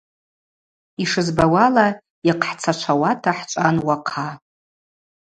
Йшызбауала, йахъхӏцачвауата хӏчӏван уахъа.